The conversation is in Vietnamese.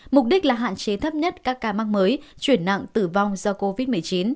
mục đích là hạn chế thấp nhất các ca mắc mới chuyển nặng tử vong do covid một mươi chín